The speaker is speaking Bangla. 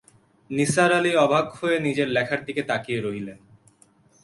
নিসার আলি অবাক হয়ে নিজের লেখার দিকে তাকিয়ে রইলেন।